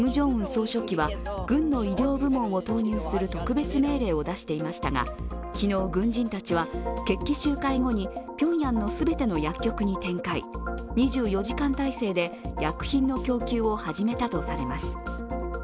総書記は軍の医療部門を投入する特別命令を出していましたが昨日、軍人たちは決起集会後にピョンヤンの全ての薬局に展開、２４時間態勢で薬品の供給始めたということです。